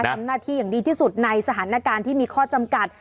ทำหน้าที่อย่างดีที่สุดในสถานการณ์ที่มีข้อจำกัด